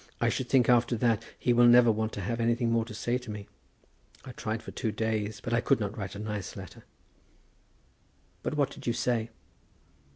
I should think after that he will never want to have anything more to say to me. I tried for two days, but I could not write a nice letter." "But what did you say?"